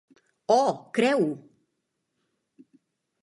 Oh, creu!